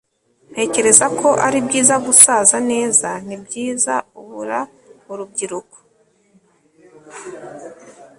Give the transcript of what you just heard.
ntekereza ko ari byiza gusaza neza. nibyiza, ubura urubyiruko